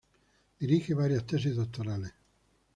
Dirije varias tesis doctorales.